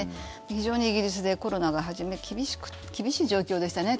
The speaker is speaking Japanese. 非常にイギリスでコロナが初め厳しい状況でしたね